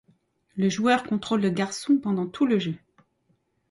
Le joueur contrôle le garçon pendant tout le jeu.